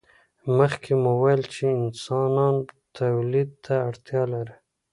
مخکې مو وویل چې انسانان تولید ته اړتیا لري.